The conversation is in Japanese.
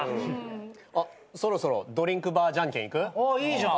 あっそろそろドリンクバーじゃんけんいく？いいじゃん。